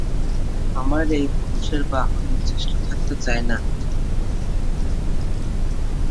আমার এই পুরুষের বাহু নিশ্চেষ্ট থাকতে চায় না।